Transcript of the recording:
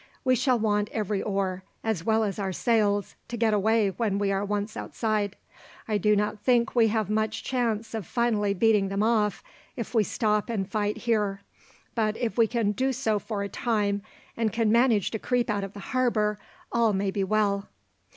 We shall want every oar, as well as our sails, to get away when we are once outside. I do not think we have much chance of finally beating them off if we stop and fight here. But if we can do so for a time, and can manage to creep out of the harbour, all may be well."